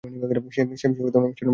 সে Mr বেন্টনের সাথে আছে।